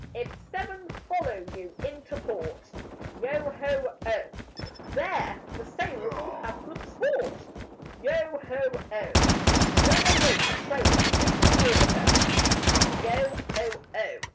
If seven follow you into port, Yo ho oh! There the sailors'll have good sport: Yo ho oh! When a rope trails in the water, Yo ho oh!